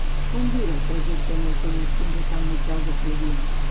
Quant dura el trajecte en autobús fins a Sant Miquel de Fluvià?